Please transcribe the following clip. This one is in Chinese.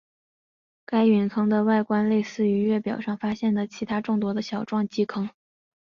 该陨坑的外观类似于月表上发现的其它众多的小撞击坑。